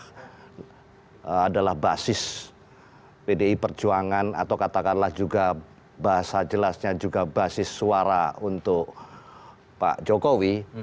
karena adalah basis pdi perjuangan atau katakanlah juga bahasa jelasnya juga basis suara untuk pak jokowi